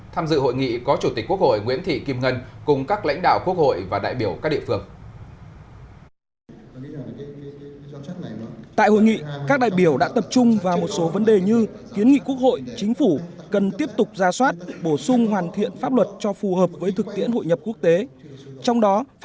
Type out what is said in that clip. tham dự hội nghị có chủ tịch quốc hội nguyễn thị kim ngân cùng các lãnh đạo quốc hội và đại biểu các địa phương